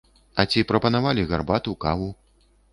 А ці прапанавалі гарбату, каву?